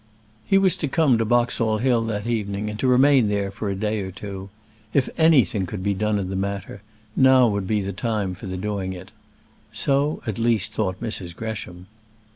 He was to come to Boxall Hill that evening, and to remain there for a day or two. If anything could be done in the matter, now would be the time for doing it. So at least thought Mrs. Gresham.